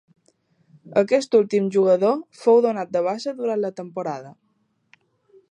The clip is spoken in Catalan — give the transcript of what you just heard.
Aquest últim jugador fou donat de baixa durant la temporada.